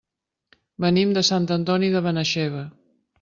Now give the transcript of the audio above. Venim de Sant Antoni de Benaixeve.